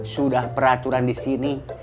sudah peraturan disini